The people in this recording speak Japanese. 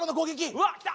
うわ来た！